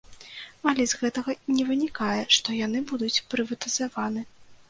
Але з гэтага не вынікае, што яны будуць прыватызаваны.